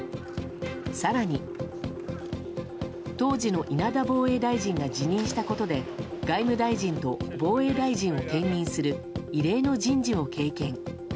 更に当時の稲田防衛大臣が辞任したことで外務大臣と防衛大臣を兼任する異例の人事を経験。